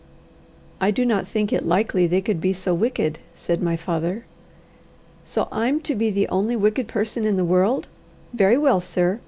"I do not think it likely they could be so wicked," said my father. "So I'm to be the only wicked person in the world! Very well, sir!